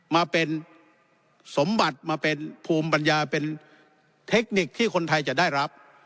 มาเป็นสมบัติมาเป็นภูมิปัญญาเป็นเทคนิคที่คนไทยจะได้รับ